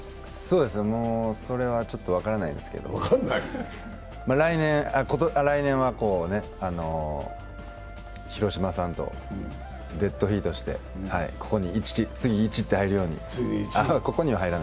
それはちょっと分からないですけど来年は広島さんとデッドヒートして、ここに、「１」と入るように。